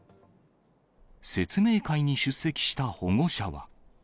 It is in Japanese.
説明会に出席した保護者は。